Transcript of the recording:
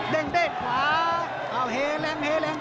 เด้งเด้นขวาเอาเฮแรงเฮแรง